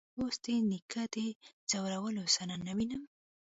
اوس د نيکه د ځورولو صحنه نه وينم.